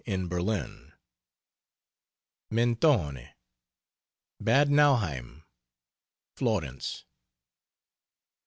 IN BERLIN, MENTONE, BAD NAUHEIM, FLORENCE.